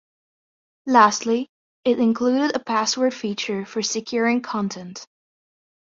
Lastly, it included a password feature for securing content.